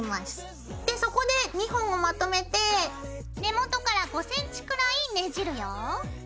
でそこで２本をまとめて根元から５ｃｍくらいねじるよ。